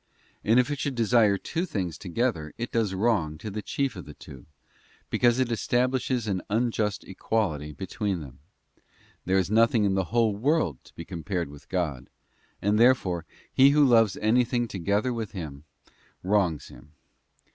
And if it should desire two things together, it does wrong to the chief of the two, because it es tablishes an unjust equality between them. There is nothing in the whole world to be compared with God; and, therefore, he who loves anything together with Him, wrongs Him.